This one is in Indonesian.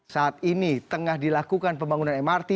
saat ini tengah dilakukan pembangunan mrt